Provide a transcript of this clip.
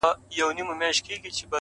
هغه ناروغه ده په رگ ـ رگ کي يې تبه خوره!